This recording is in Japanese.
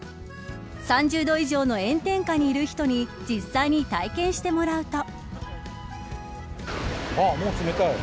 ３０度以上の炎天下にいる人に実際に体験してもらうと。